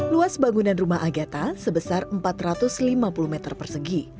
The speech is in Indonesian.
luas bangunan rumah agatha sebesar empat ratus lima puluh meter persegi